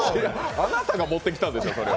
あなたが持ってきたんでしょう、それを。